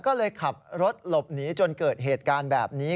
ก็เลยขับรถหลบหนีจนเกิดเหตุการณ์แบบนี้